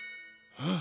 うん！